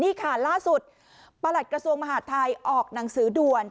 นี่ค่ะล่าสุดประหลัดกระทรวงมหาดไทยออกหนังสือด่วน